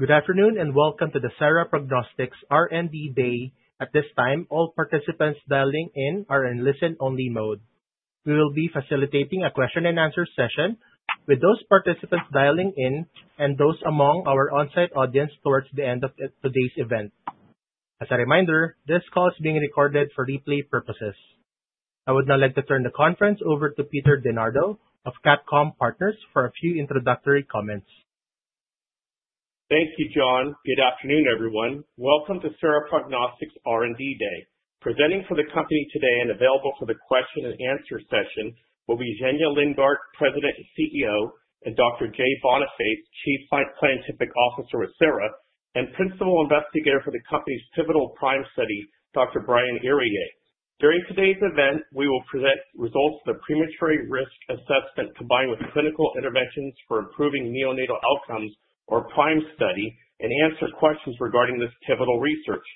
Good afternoon and welcome to the Sera Prognostics R&D Day. At this time, all participants dialing in are in listen-only mode. We will be facilitating a question-and-answer session with those participants dialing in and those among our on-site audience towards the end of today's event. As a reminder, this call is being recorded for replay purposes. I would now like to turn the conference over to Peter DeNardo, of CapComm Partners, for a few introductory comments. Thank you, John. Good afternoon, everyone. Welcome to Sera Prognostics R&D Day. Presenting for the company today and available for the question-and-answer session will be Zhenya Lindgardt, President and CEO, and Dr. Jay Boniface, Chief Scientific Officer with Sera and Principal Investigator for the company's pivotal PRIME study, Dr. Brian Iriye. During today's event, we will present results of the premature risk assessment combined with clinical interventions for improving neonatal outcomes, or PRIME study, and answer questions regarding this pivotal research.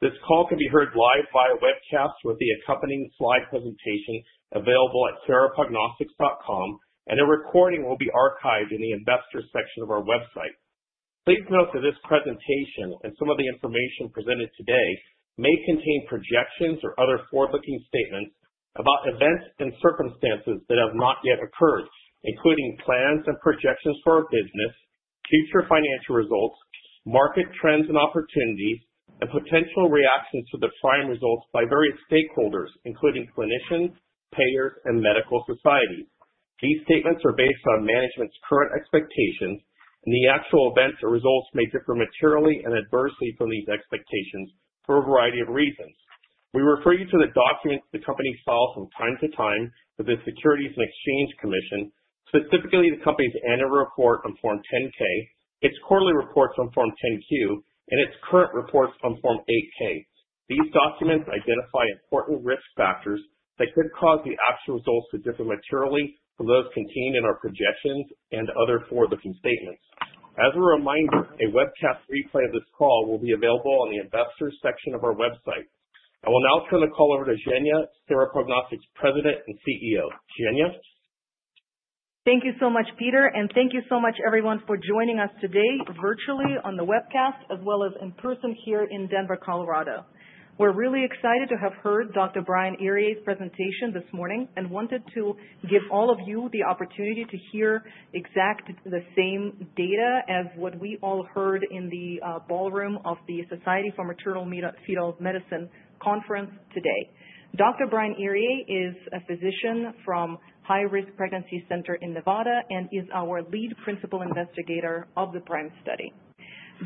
This call can be heard live via webcast with the accompanying slide presentation available at seraprognostics.com, and a recording will be archived in the investor section of our website. Please note that this presentation and some of the information presented today may contain projections or other forward-looking statements about events and circumstances that have not yet occurred, including plans and projections for our business, future financial results, market trends and opportunities, and potential reactions to the prime results by various stakeholders, including clinicians, payers, and medical societies. These statements are based on management's current expectations, and the actual events or results may differ materially and adversely from these expectations for a variety of reasons. We refer you to the documents the company files from time to time with the Securities and Exchange Commission, specifically the company's annual report on Form 10-K, its quarterly reports on Form 10-Q, and its current reports on Form 8-K. These documents identify important risk factors that could cause the actual results to differ materially from those contained in our projections and other forward-looking statements. As a reminder, a webcast replay of this call will be available on the investor section of our website. I will now turn the call over to Zhenya, Sera Prognostics President and CEO. Zhenya. Thank you so much, Peter, and thank you so much, everyone, for joining us today virtually on the webcast as well as in person here in Denver, Colorado. We're really excited to have heard Dr. Brian Iriye's presentation this morning and wanted to give all of you the opportunity to hear exactly the same data as what we all heard in the ballroom of the Society for Maternal-Fetal Medicine conference today. Dr. Brian Iriye is a physician from High Risk Pregnancy Center in Nevada and is our lead principal investigator of the PRIME study.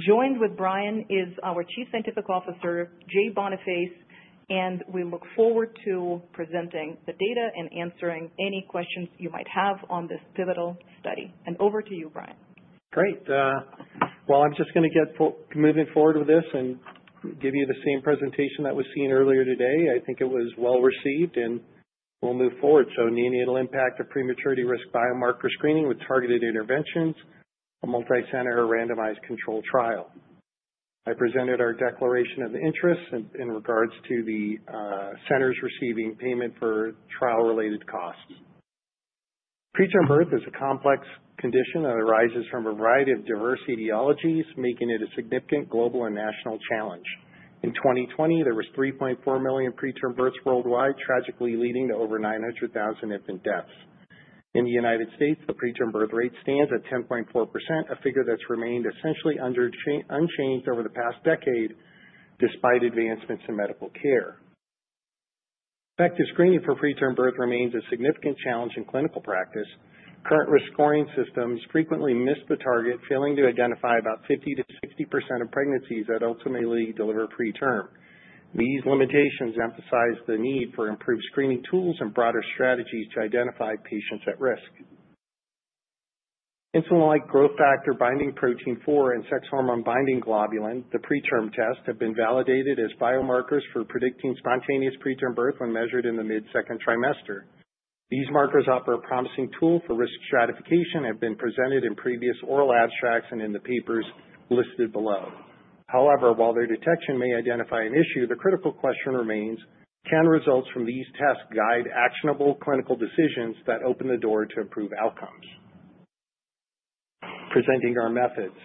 Joined with Brian is our Chief Scientific Officer, Jay Boniface, and we look forward to presenting the data and answering any questions you might have on this pivotal study, and over to you, Brian. Great. Well, I'm just going to get moving forward with this and give you the same presentation that was seen earlier today. I think it was well received, and we'll move forward. So, neonatal impact of prematurity risk biomarker screening with targeted interventions, a multi-center randomized control trial. I presented our declaration of interest in regards to the centers receiving payment for trial-related costs. Preterm birth is a complex condition that arises from a variety of diverse etiologies, making it a significant global and national challenge. In 2020, there were 3.4 million preterm births worldwide, tragically leading to over 900,000 infant deaths. In the United States, the preterm birth rate stands at 10.4%, a figure that's remained essentially unchanged over the past decade despite advancements in medical care. Effective screening for preterm birth remains a significant challenge in clinical practice. Current risk scoring systems frequently miss the target, failing to identify about 50%-60% of pregnancies that ultimately deliver preterm. These limitations emphasize the need for improved screening tools and broader strategies to identify patients at risk. Insulin-like growth factor binding protein four and sex hormone binding globulin, the PreTRM tests, have been validated as biomarkers for predicting spontaneous preterm birth when measured in the mid-second trimester. These markers offer a promising tool for risk stratification and have been presented in previous oral abstracts and in the papers listed below. However, while their detection may identify an issue, the critical question remains: can results from these tests guide actionable clinical decisions that open the door to improved outcomes? Presenting our methods.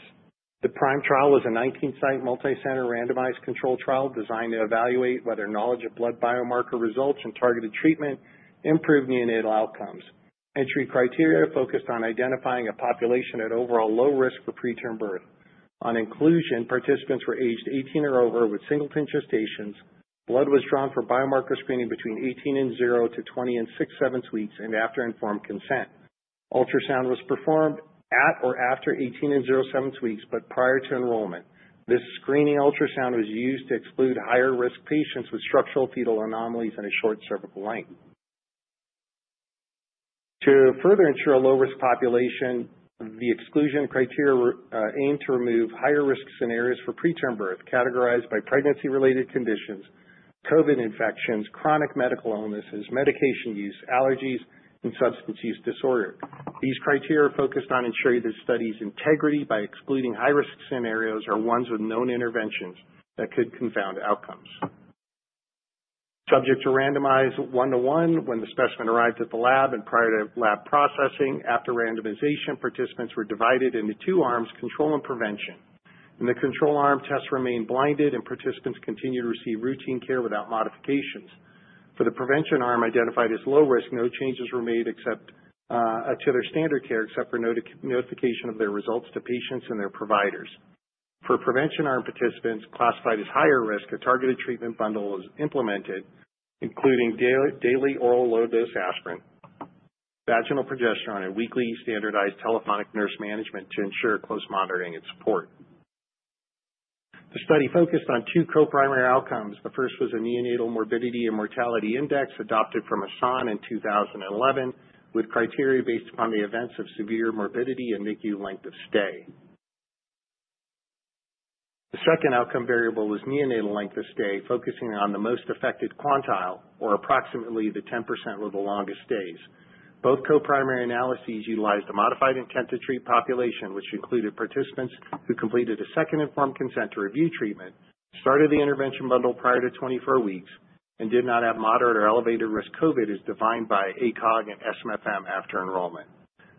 The PRIME trial was a 19-site multi-center randomized control trial designed to evaluate whether knowledge of blood biomarker results and targeted treatment improve neonatal outcomes. Entry criteria focused on identifying a population at overall low risk for preterm birth. On inclusion, participants were aged 18 or over with singleton gestations. Blood was drawn for biomarker screening between 18 0/7 and 20 6/7 weeks and after informed consent. Ultrasound was performed at or after 18 0/7 weeks, but prior to enrollment. This screening ultrasound was used to exclude higher-risk patients with structural fetal anomalies and a short cervical length. To further ensure a low-risk population, the exclusion criteria aimed to remove higher-risk scenarios for preterm birth categorized by pregnancy-related conditions, COVID infections, chronic medical illnesses, medication use, allergies, and substance use disorder. These criteria focused on ensuring the study's integrity by excluding high-risk scenarios or ones with known interventions that could confound outcomes. Subjects were randomized one-to-one when the specimen arrived at the lab and prior to lab processing. After randomization, participants were divided into two arms, control and prevention. In the control arm, tests remained blinded, and participants continued to receive routine care without modifications. For the prevention arm, identified as low risk, no changes were made to their standard care, except for notification of their results to patients and their providers. For prevention arm participants classified as higher risk, a targeted treatment bundle was implemented, including daily oral low-dose aspirin, vaginal progesterone, and weekly standardized telephonic nurse management to ensure close monitoring and support. The study focused on two co-primary outcomes. The first was a neonatal morbidity and mortality index adopted from Eason in 2011 with criteria based upon the events of severe morbidity and NICU length of stay. The second outcome variable was neonatal length of stay, focusing on the most affected quantile, or approximately the 10% with the longest stays. Both co-primary analyses utilized a Modified Intent-to-Treat population, which included participants who completed a second informed consent to review treatment, started the intervention bundle prior to 24 weeks, and did not have moderate or elevated risk COVID as defined by ACOG and SMFM after enrollment.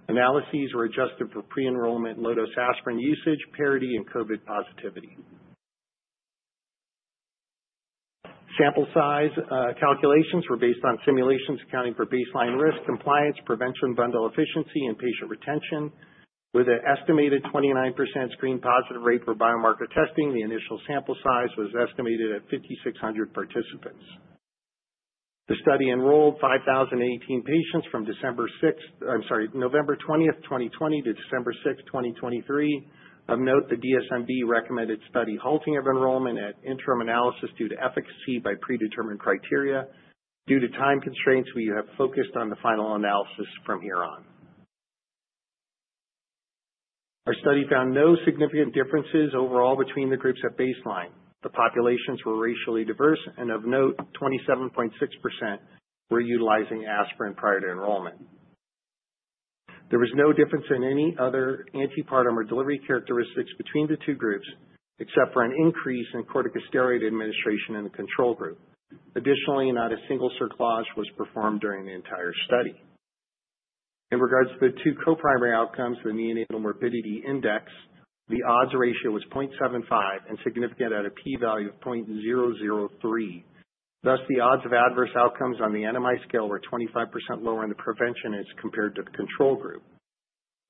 Analyses were adjusted for pre-enrollment low-dose aspirin usage, parity, and COVID positivity. Sample size calculations were based on simulations accounting for baseline risk, compliance, prevention bundle efficiency, and patient retention. With an estimated 29% screen positive rate for biomarker testing, the initial sample size was estimated at 5,600 participants. The study enrolled 5,018 patients from November 20, 2020, to December 6, 2023. Of note, the DSMB recommended study halting of enrollment at interim analysis due to efficacy by predetermined criteria. Due to time constraints, we have focused on the final analysis from here on. Our study found no significant differences overall between the groups at baseline. The populations were racially diverse, and of note, 27.6% were utilizing aspirin prior to enrollment. There was no difference in any other antepartum or delivery characteristics between the two groups, except for an increase in corticosteroid administration in the control group. Additionally, not a single cerclage was performed during the entire study. In regards to the two co-primary outcomes, the neonatal morbidity index, the odds ratio was 0.75 and significant at a p-value of 0.003. Thus, the odds of adverse outcomes on the NMI scale were 25% lower in the prevention as compared to the control group.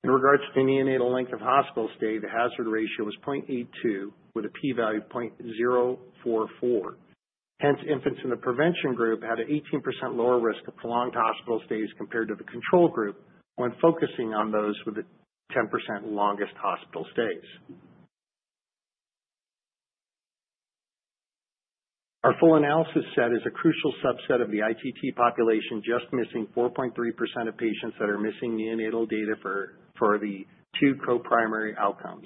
In regards to neonatal length of hospital stay, the hazard ratio was 0.82 with a p-value of 0.044. Hence, infants in the prevention group had an 18% lower risk of prolonged hospital stays compared to the control group when focusing on those with the 10% longest hospital stays. Our Full Analysis Set is a crucial subset of the ITT population, just missing 4.3% of patients that are missing neonatal data for the two co-primary outcomes.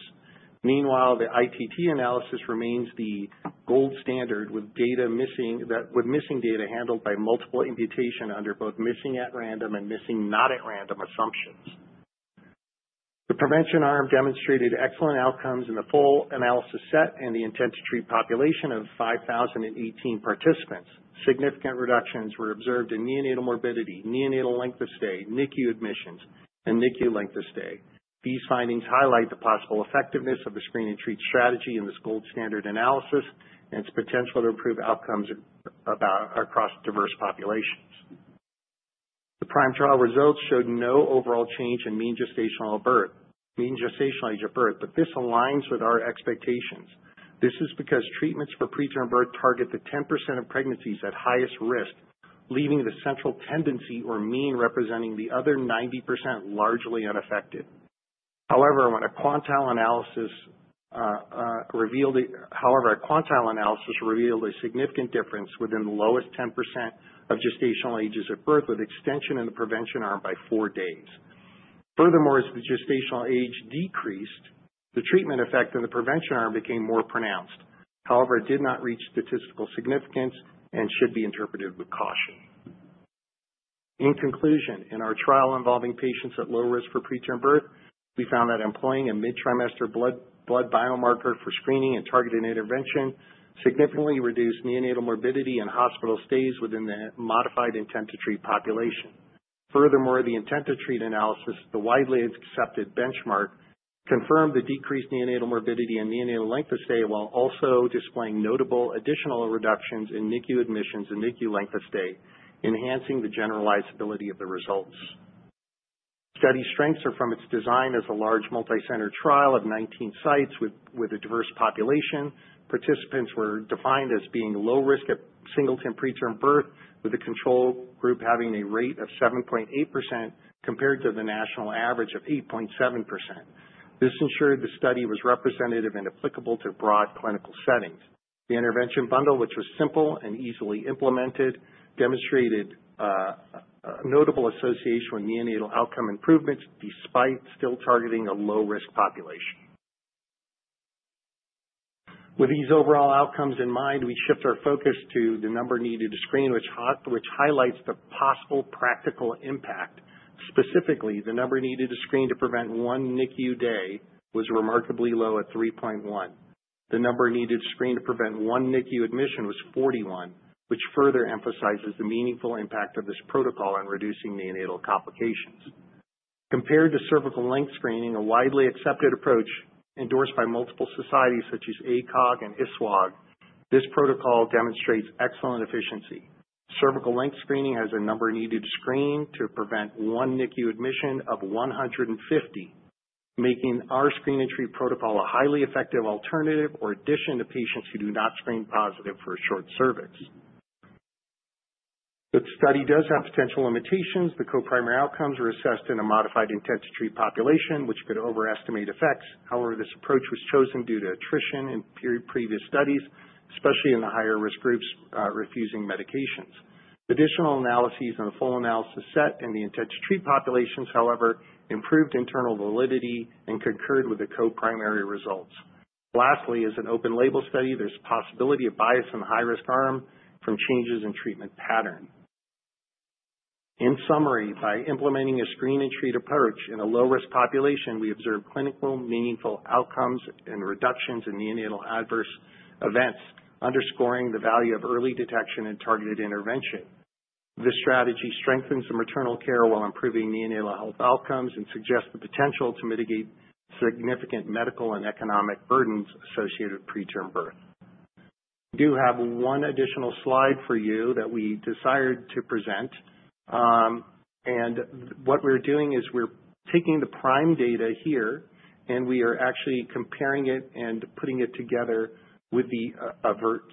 Meanwhile, the ITT analysis remains the gold standard with missing data handled by multiple imputation under both missing at random and missing not at random assumptions. The prevention arm demonstrated excellent outcomes in the Full Analysis Set and the Intent-to-Treat population of 5,018 participants. Significant reductions were observed in neonatal morbidity, neonatal length of stay, NICU admissions, and NICU length of stay. These findings highlight the possible effectiveness of the screen and treat strategy in this gold standard analysis and its potential to improve outcomes across diverse populations. The PRIME trial results showed no overall change in mean gestational age of birth, but this aligns with our expectations. This is because treatments for preterm birth target the 10% of pregnancies at highest risk, leaving the central tendency or mean representing the other 90% largely unaffected. However, a quantile analysis revealed a significant difference within the lowest 10% of gestational ages at birth with extension in the prevention arm by four days. Furthermore, as the gestational age decreased, the treatment effect in the prevention arm became more pronounced. However, it did not reach statistical significance and should be interpreted with caution. In conclusion, in our trial involving patients at low risk for preterm birth, we found that employing a mid-trimester blood biomarker for screening and targeted intervention significantly reduced neonatal morbidity and hospital stays within the Modified Intent-to-Treat population. Furthermore, the Intent-to-Treat analysis, the widely accepted benchmark, confirmed the decreased neonatal morbidity and neonatal length of stay while also displaying notable additional reductions in NICU admissions and NICU length of stay, enhancing the generalizability of the results. Study strengths are from its design as a large multi-center trial of 19 sites with a diverse population. Participants were defined as being low risk at singleton preterm birth, with the control group having a rate of 7.8% compared to the national average of 8.7%. This ensured the study was representative and applicable to broad clinical settings. The intervention bundle, which was simple and easily implemented, demonstrated a notable association with neonatal outcome improvements despite still targeting a low-risk population. With these overall outcomes in mind, we shift our focus to the number needed to screen, which highlights the possible practical impact. Specifically, the number needed to screen to prevent one NICU day was remarkably low at 3.1. The number needed to screen to prevent one NICU admission was 41, which further emphasizes the meaningful impact of this protocol on reducing neonatal complications. Compared to cervical length screening, a widely accepted approach endorsed by multiple societies such as ACOG and ISUOG, this protocol demonstrates excellent efficiency. Cervical length screening has a number needed to screen to prevent one NICU admission of 150, making our screen and treat protocol a highly effective alternative or addition to patients who do not screen positive for a short cervix. The study does have potential limitations. The co-primary outcomes were assessed in a Modified Intent-to-Treat population, which could overestimate effects. However, this approach was chosen due to attrition in previous studies, especially in the higher-risk groups refusing medications. Additional analyses in the Full Analysis Set and the Intent-to-Treat populations, however, improved internal validity and concurred with the co-primary results. Lastly, as an open label study, there's a possibility of bias in the high-risk arm from changes in treatment pattern. In summary, by implementing a screen and treat approach in a low-risk population, we observed clinically meaningful outcomes and reductions in neonatal adverse events, underscoring the value of early detection and targeted intervention. This strategy strengthens the maternal care while improving neonatal health outcomes and suggests the potential to mitigate significant medical and economic burdens associated with preterm birth. We do have one additional slide for you that we desired to present, and what we're doing is we're taking the PRIME data here, and we are actually comparing it and putting it together with the AVERT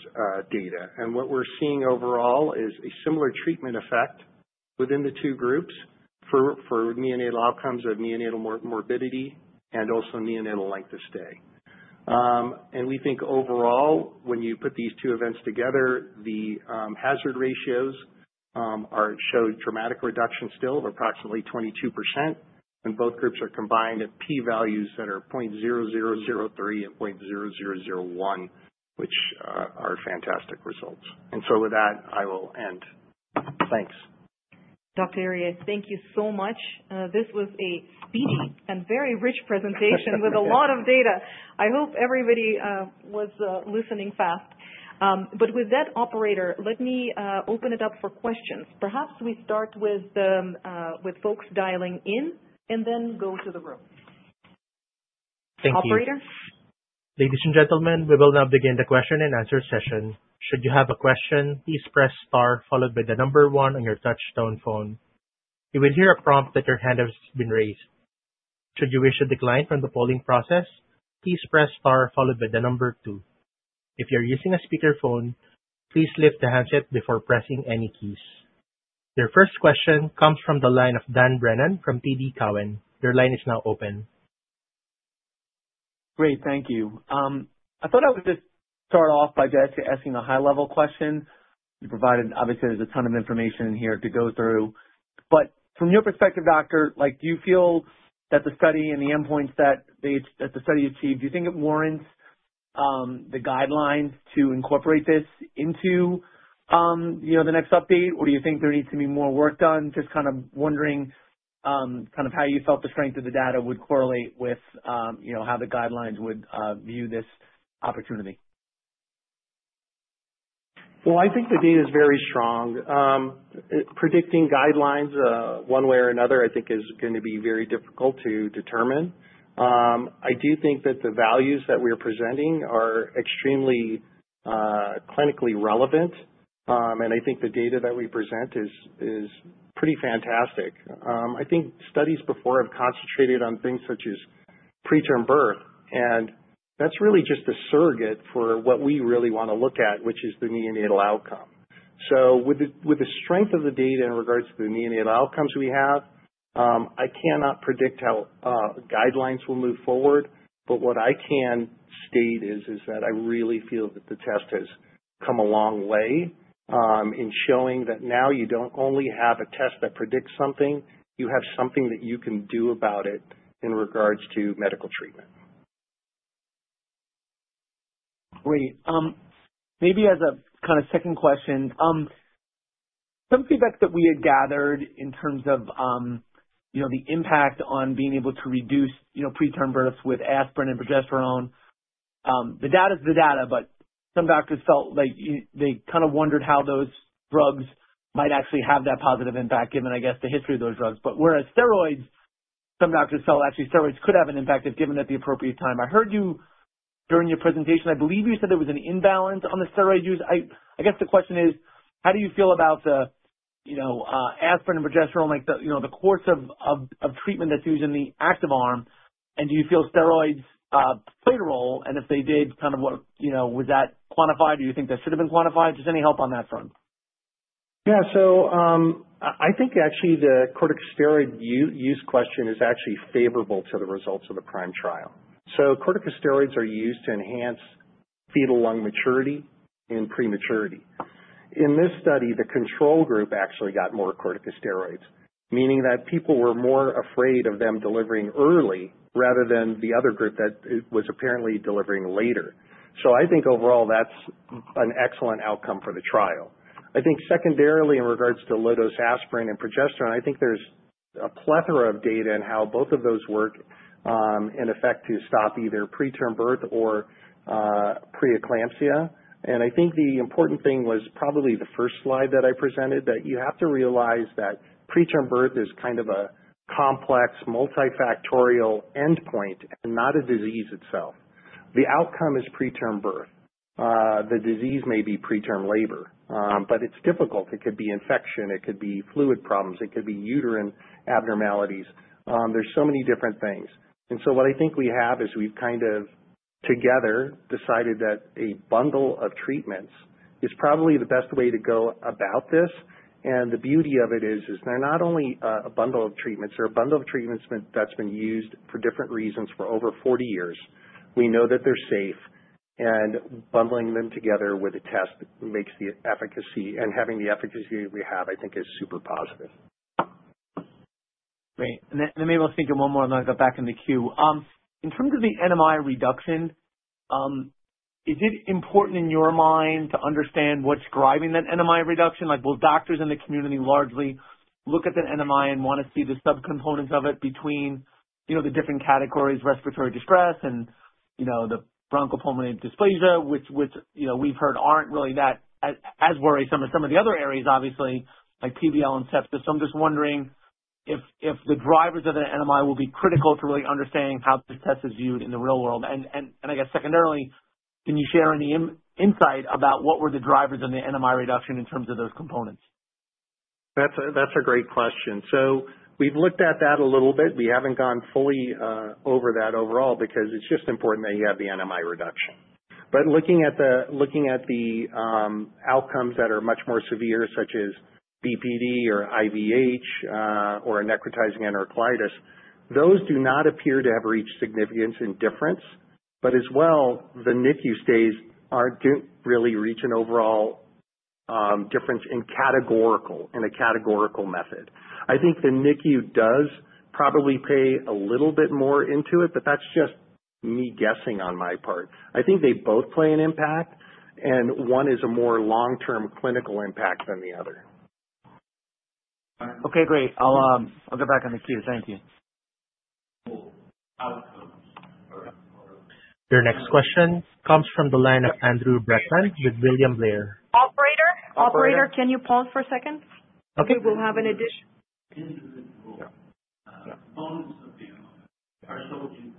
data. And what we're seeing overall is a similar treatment effect within the two groups for neonatal outcomes of neonatal morbidity and also neonatal length of stay. And we think overall, when you put these two events together, the hazard ratios show a dramatic reduction still of approximately 22% when both groups are combined at p-values that are 0.0003 and 0.0001, which are fantastic results. And so with that, I will end. Thanks. Dr. Iriye, thank you so much. This was a speedy and very rich presentation with a lot of data. I hope everybody was listening fast. But with that, Operator, let me open it up for questions. Perhaps we start with folks dialing in and then go to the room. Thank you. Operator. Ladies and gentlemen, we will now begin the question and answer session. Should you have a question, please press star followed by the number one on your touch-tone phone. You will hear a prompt that your hand has been raised. Should you wish to decline from the polling process, please press star followed by the number two. If you're using a speakerphone, please lift the handset before pressing any keys. Your first question comes from the line of Dan Brennan from TD Cowen. Your line is now open. Great. Thank you. I thought I would just start off by just asking a high-level question. You provided, obviously, there's a ton of information in here to go through. But from your perspective, Doctor, do you feel that the study and the endpoints that the study achieved, do you think it warrants the guidelines to incorporate this into the next update, or do you think there needs to be more work done? Just kind of wondering kind of how you felt the strength of the data would correlate with how the guidelines would view this opportunity. Well, I think the data is very strong. Predicting guidelines one way or another, I think, is going to be very difficult to determine. I do think that the values that we are presenting are extremely clinically relevant, and I think the data that we present is pretty fantastic. I think studies before have concentrated on things such as preterm birth, and that's really just a surrogate for what we really want to look at, which is the neonatal outcome. So with the strength of the data in regards to the neonatal outcomes we have, I cannot predict how guidelines will move forward, but what I can state is that I really feel that the test has come a long way in showing that now you don't only have a test that predicts something, you have something that you can do about it in regards to medical treatment. Great. Maybe as a kind of second question, some feedback that we had gathered in terms of the impact on being able to reduce preterm births with aspirin and progesterone. The data is the data, but some doctors felt like they kind of wondered how those drugs might actually have that positive impact given, I guess, the history of those drugs. But whereas steroids, some doctors felt actually steroids could have an impact if given at the appropriate time. I heard you during your presentation. I believe you said there was an imbalance on the steroid use. I guess the question is, how do you feel about the aspirin and progesterone, the course of treatment that's used in the active arm, and do you feel steroids played a role? And if they did, kind of was that quantified? Do you think that should have been quantified? Just any help on that front? Yeah. So I think actually the corticosteroid use question is actually favorable to the results of the PRIME trial. So corticosteroids are used to enhance fetal lung maturity and prematurity. In this study, the control group actually got more corticosteroids, meaning that people were more afraid of them delivering early rather than the other group that was apparently delivering later. So I think overall that's an excellent outcome for the trial. I think secondarily, in regards to low-dose aspirin and progesterone, I think there's a plethora of data in how both of those work and affect to stop either preterm birth or pre-eclampsia. And I think the important thing was probably the first slide that I presented, that you have to realize that preterm birth is kind of a complex multifactorial endpoint and not a disease itself. The outcome is preterm birth. The disease may be preterm labor, but it's difficult. It could be infection. It could be fluid problems. It could be uterine abnormalities. There's so many different things. And so what I think we have is we've kind of together decided that a bundle of treatments is probably the best way to go about this. And the beauty of it is they're not only a bundle of treatments. There are a bundle of treatments that's been used for different reasons for over 40 years. We know that they're safe, and bundling them together with a test makes the efficacy and having the efficacy we have, I think, is super positive. Great. And then maybe I'll sneak in one more. I'm going to go back in the queue. In terms of the NMI reduction, is it important in your mind to understand what's driving that NMI reduction? Will doctors in the community largely look at the NMI and want to see the subcomponents of it between the different categories, respiratory distress and the bronchopulmonary dysplasia, which we've heard aren't really that as worrisome as some of the other areas, obviously, like PBL and sepsis? So I'm just wondering if the drivers of the NMI will be critical to really understanding how this test is viewed in the real world. And I guess secondarily, can you share any insight about what were the drivers of the NMI reduction in terms of those components? That's a great question. So we've looked at that a little bit. We haven't gone fully over that overall because it's just important that you have the NMI reduction. But looking at the outcomes that are much more severe, such as BPD or IVH or necrotizing enterocolitis, those do not appear to have reached significance and difference. But as well, the NICU stays aren't really reaching overall difference in a categorical method. I think the NICU does probably pay a little bit more into it, but that's just me guessing on my part. I think they both play an impact, and one is a more long-term clinical impact than the other. Okay. Great. I'll go back in the queue. Thank you. Your next question comes from the line of Andrew Brackmann with William Blair. Operator. Operator, can you pause for a second? We will have an additional. Individual components of the NMI are so incremental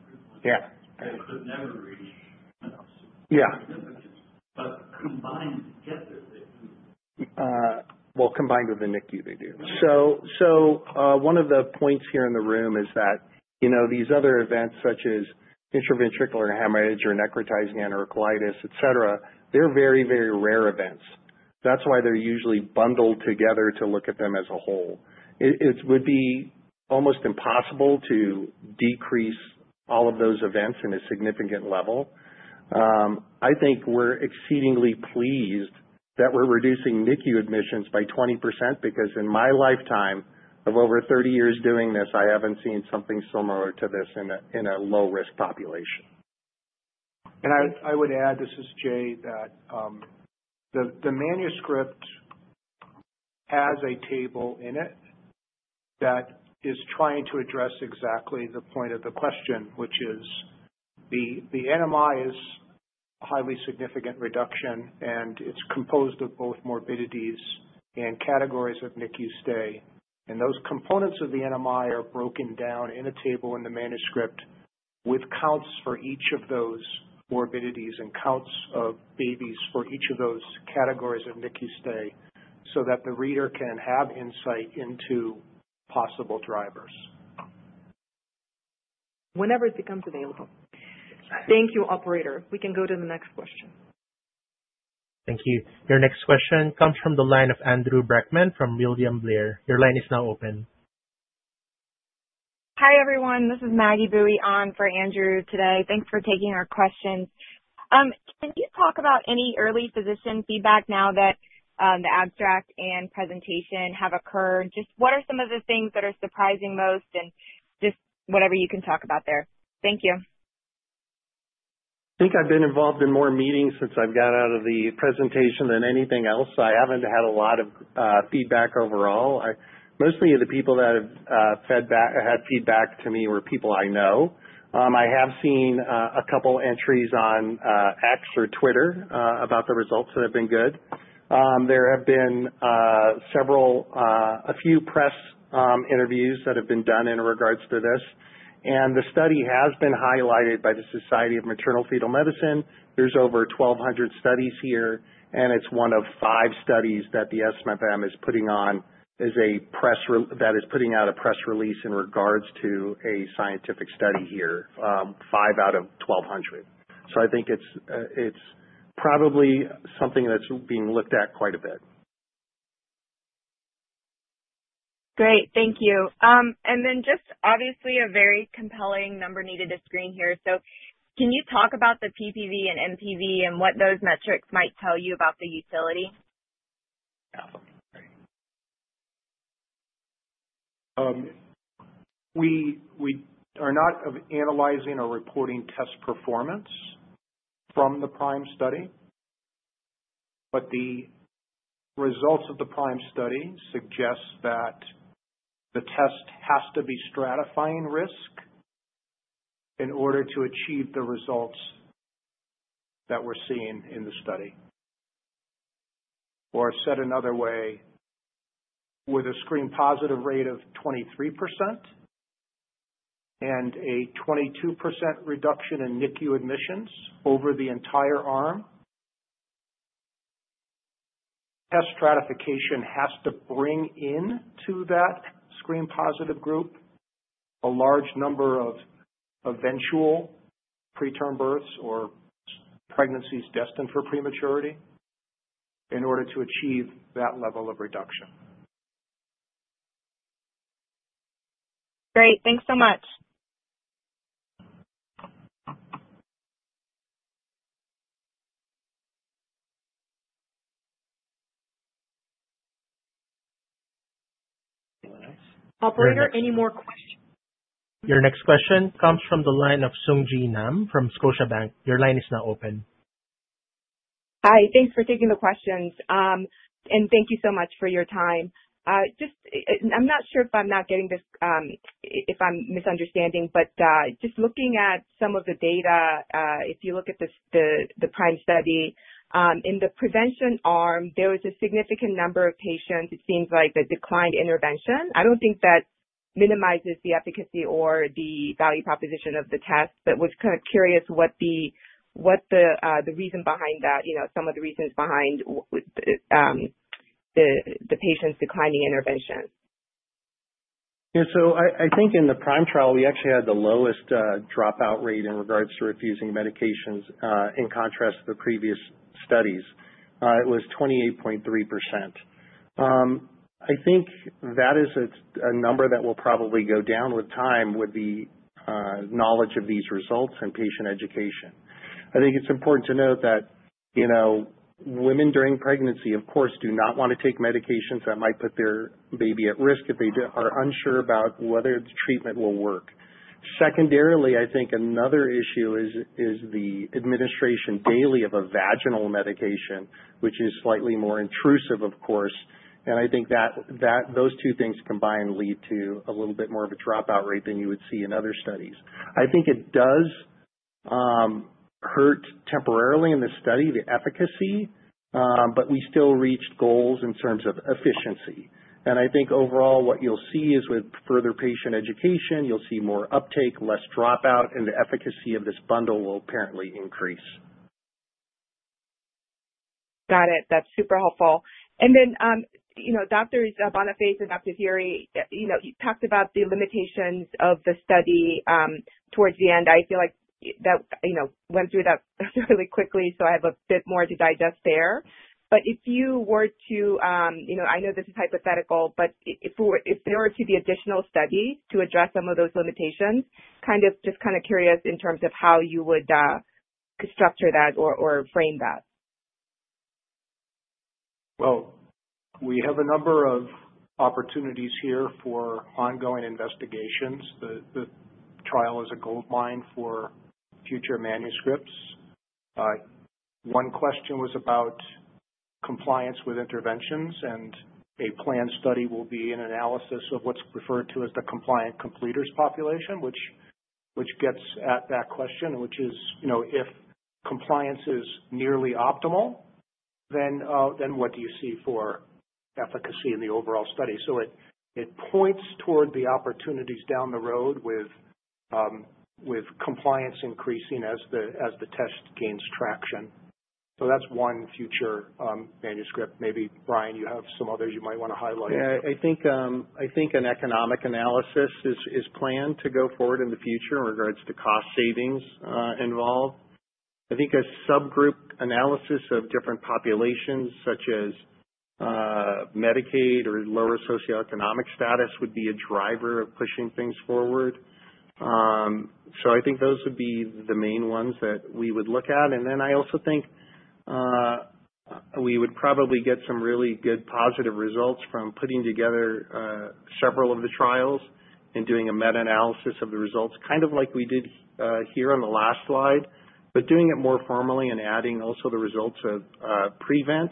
that they could never reach significance, but combined together, they do. Combined with the NICU, they do. One of the points here in the room is that these other events, such as intraventricular hemorrhage or necrotizing enterocolitis, etc., they're very, very rare events. That's why they're usually bundled together to look at them as a whole. It would be almost impossible to decrease all of those events in a significant level. I think we're exceedingly pleased that we're reducing NICU admissions by 20% because in my lifetime of over 30 years doing this, I haven't seen something similar to this in a low-risk population. I would add, this is Jay, that the manuscript has a table in it that is trying to address exactly the point of the question, which is the NMI is a highly significant reduction, and it's composed of both morbidities and categories of NICU stay. Those components of the NMI are broken down in a table in the manuscript with counts for each of those morbidities and counts of babies for each of those categories of NICU stay so that the reader can have insight into possible drivers. Whenever it becomes available. Thank you, Operator. We can go to the next question. Thank you. Your next question comes from the line of Andrew Brackmann from William Blair. Your line is now open. Hi, everyone. This is Maggie Boeye on for Andrew today. Thanks for taking our questions. Can you talk about any early physician feedback now that the abstract and presentation have occurred? Just what are some of the things that are surprising most and just whatever you can talk about there? Thank you. I think I've been involved in more meetings since I've got out of the presentation than anything else. I haven't had a lot of feedback overall. Mostly the people that have had feedback to me were people I know. I have seen a couple of entries on X or Twitter about the results that have been good. There have been a few press interviews that have been done in regards to this, and the study has been highlighted by the Society for Maternal-Fetal Medicine. There's over 1,200 studies here, and it's one of five studies that the SMFM is putting on that is putting out a press release in regards to a scientific study here, five out of 1,200. I think it's probably something that's being looked at quite a bit. Great. Thank you. And then just obviously a very compelling number needed to screen here. So can you talk about the PPV and MPV and what those metrics might tell you about the utility? We are not analyzing or reporting test performance from the PRIME study, but the results of the PRIME study suggest that the test has to be stratifying risk in order to achieve the results that we're seeing in the study, or said another way, with a screen positive rate of 23% and a 22% reduction in NICU admissions over the entire arm, test stratification has to bring into that screen positive group a large number of eventual preterm births or pregnancies destined for prematurity in order to achieve that level of reduction. Great. Thanks so much. Operator, any more questions? Your next question comes from the line of Sung Ji Nam from Scotiabank. Your line is now open. Hi. Thanks for taking the questions, and thank you so much for your time. I'm not sure if I'm not getting this if I'm misunderstanding, but just looking at some of the data, if you look at the PRIME study, in the prevention arm, there was a significant number of patients, it seems like, that declined intervention. I don't think that minimizes the efficacy or the value proposition of the test, but was kind of curious what the reason behind that, some of the reasons behind the patients declining intervention. Yeah, so I think in the PRIME trial, we actually had the lowest dropout rate in regards to refusing medications in contrast to the previous studies. It was 28.3%. I think that is a number that will probably go down with time with the knowledge of these results and patient education. I think it's important to note that women during pregnancy, of course, do not want to take medications that might put their baby at risk if they are unsure about whether the treatment will work. Secondarily, I think another issue is the administration daily of a vaginal medication, which is slightly more intrusive, of course, and I think that those two things combined lead to a little bit more of a dropout rate than you would see in other studies. I think it does hurt temporarily in this study, the efficacy, but we still reached goals in terms of efficiency, and I think overall, what you'll see is with further patient education, you'll see more uptake, less dropout, and the efficacy of this bundle will apparently increase. Got it. That's super helpful. And then Dr. Boniface and Dr. Iriye talked about the limitations of the study towards the end. I feel like that went through that really quickly, so I have a bit more to digest there. But if you were to, I know this is hypothetical, but if there were to be additional studies to address some of those limitations, kind of just kind of curious in terms of how you would structure that or frame that. We have a number of opportunities here for ongoing investigations. The trial is a gold mine for future manuscripts. One question was about compliance with interventions, and a planned study will be an analysis of what's referred to as the compliant completers population, which gets at that question, which is if compliance is nearly optimal, then what do you see for efficacy in the overall study? So it points toward the opportunities down the road with compliance increasing as the test gains traction. So that's one future manuscript. Maybe Brian, you have some others you might want to highlight. Yeah. I think an economic analysis is planned to go forward in the future in regards to cost savings involved. I think a subgroup analysis of different populations, such as Medicaid or lower socioeconomic status, would be a driver of pushing things forward. So I think those would be the main ones that we would look at. And then I also think we would probably get some really good positive results from putting together several of the trials and doing a meta-analysis of the results, kind of like we did here on the last slide, but doing it more formally and adding also the results of PREVENT,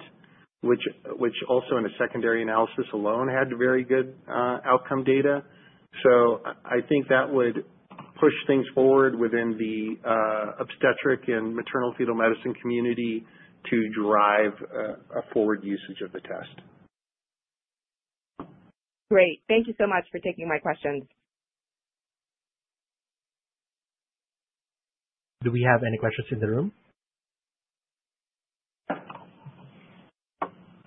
which also in a secondary analysis alone had very good outcome data. So I think that would push things forward within the obstetric and maternal-fetal medicine community to drive a forward usage of the test. Great. Thank you so much for taking my questions. Do we have any questions in the room?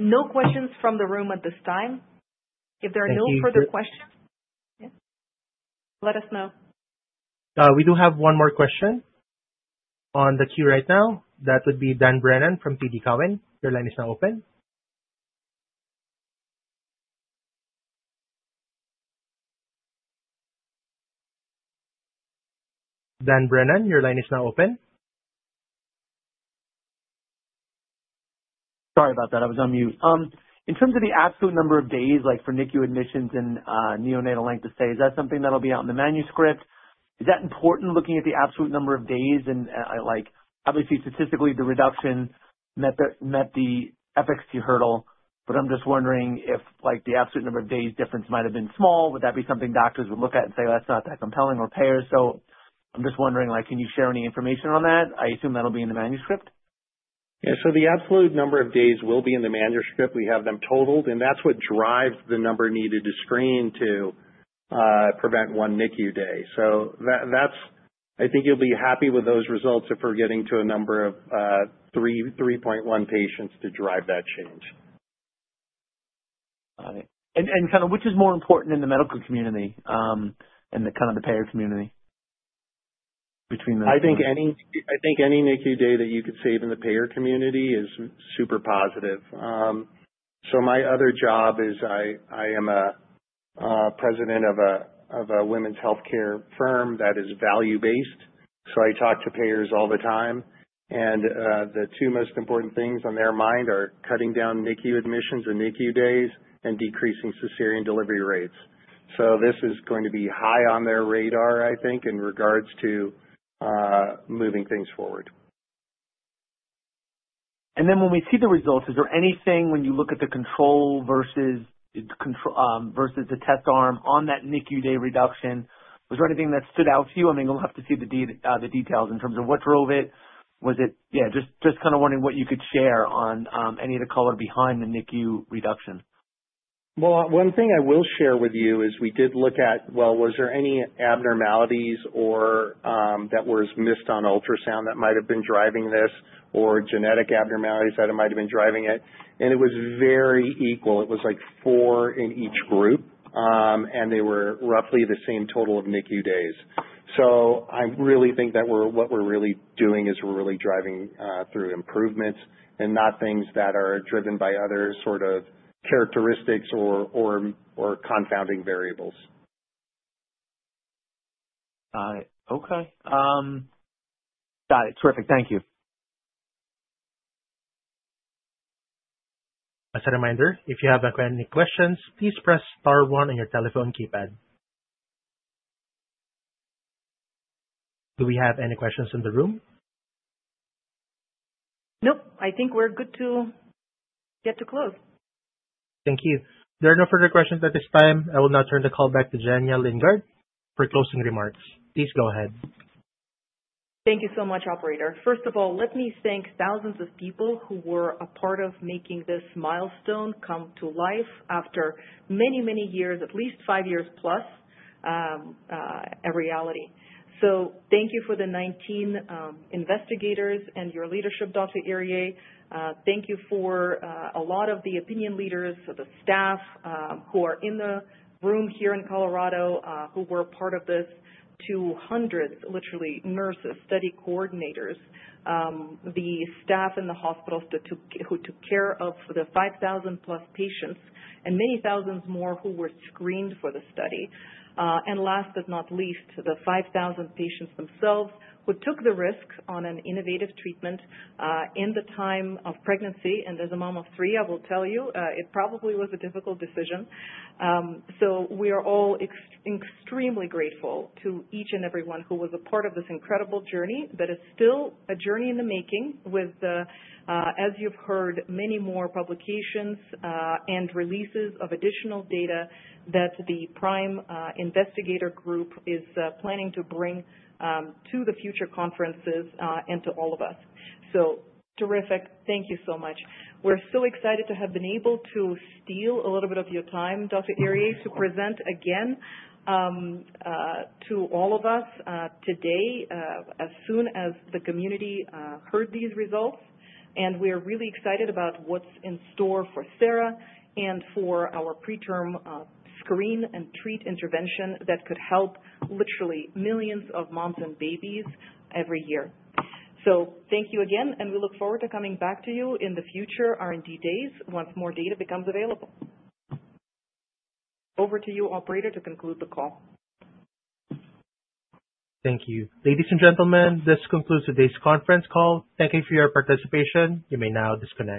No questions from the room at this time. If there are no further questions, let us know. We do have one more question on the queue right now. That would be Dan Brennan from TD Cowen. Your line is now open. Dan Brennan, your line is now open. Sorry about that. I was on mute. In terms of the absolute number of days for NICU admissions and neonatal length of stay, is that something that'll be out in the manuscript? Is that important looking at the absolute number of days? And obviously, statistically, the reduction met the efficacy hurdle, but I'm just wondering if the absolute number of days difference might have been small. Would that be something doctors would look at and say, "That's not that compelling," or payers? So I'm just wondering, can you share any information on that? I assume that'll be in the manuscript. Yeah. So the absolute number of days will be in the manuscript. We have them totaled, and that's what drives the number needed to screen to prevent one NICU day. So I think you'll be happy with those results if we're getting to a number of 3.1 patients to drive that change. Got it. And kind of which is more important in the medical community and kind of the payer community between the two? I think any NICU day that you could save in the payer community is super positive. So my other job is I am a president of a women's healthcare firm that is value-based. So I talk to payers all the time. And the two most important things on their mind are cutting down NICU admissions and NICU days and decreasing cesarean delivery rates. So this is going to be high on their radar, I think, in regards to moving things forward. And then when we see the results, is there anything when you look at the control versus the test arm on that NICU day reduction, was there anything that stood out to you? I mean, we'll have to see the details in terms of what drove it. Yeah, just kind of wondering what you could share on any of the color behind the NICU reduction. One thing I will share with you is we did look at, well, was there any abnormalities that were missed on ultrasound that might have been driving this or genetic abnormalities that might have been driving it, and it was very equal. It was like four in each group, and they were roughly the same total of NICU days, so I really think that what we're really doing is we're really driving through improvements and not things that are driven by other sort of characteristics or confounding variables. Got it. Okay. Got it. Terrific. Thank you. As a reminder, if you have any questions, please press star one on your telephone keypad. Do we have any questions in the room? Nope. I think we're good to get to close. Thank you. There are no further questions at this time. I will now turn the call back to Zhenya Lindgardt for closing remarks. Please go ahead. Thank you so much, Operator. First of all, let me thank thousands of people who were a part of making this milestone come to life after many, many years, at least five years plus, a reality. So thank you for the 19 investigators and your leadership, Dr. Iriye. Thank you for a lot of the opinion leaders, the staff who are in the room here in Colorado, who were part of this, 200 literally nurses, study coordinators, the staff in the hospitals who took care of the 5,000-plus patients and many thousands more who were screened for the study. And last but not least, the 5,000 patients themselves who took the risk on an innovative treatment in the time of pregnancy. And as a mom of three, I will tell you, it probably was a difficult decision. So we are all extremely grateful to each and everyone who was a part of this incredible journey that is still a journey in the making with, as you've heard, many more publications and releases of additional data that the PRIME investigator group is planning to bring to the future conferences and to all of us. So terrific. Thank you so much. We're so excited to have been able to steal a little bit of your time, Dr. Iriye, to present again to all of us today as soon as the community heard these results. And we are really excited about what's in store for Sera and for our preterm screen and treat intervention that could help literally millions of moms and babies every year. So thank you again, and we look forward to coming back to you in the future R&D days once more data becomes available. Over to you, Operator, to conclude the call. Thank you. Ladies and gentlemen, this concludes today's conference call. Thank you for your participation. You may now disconnect.